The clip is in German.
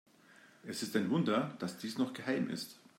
Es ist ein Wunder, dass dies noch geheim ist.